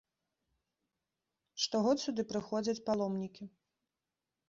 Штогод сюды прыходзяць паломнікі.